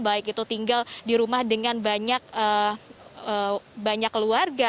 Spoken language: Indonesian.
baik itu tinggal di rumah dengan banyak keluarga